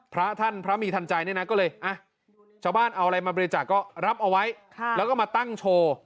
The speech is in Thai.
พระท่านพระมีทันใจเนี่ยนะก็เลยชาวบ้านเอาอะไรมาบริจาคก็รับเอาไว้แล้วก็มาตั้งโชว์